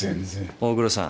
大黒さん